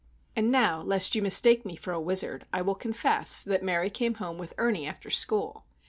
And now, lest you mistake me for a wizard, I will confess that Mary came home with Ernie after school.